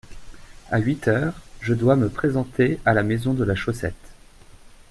À huit heures, je dois me présenter à la maison de la chaussette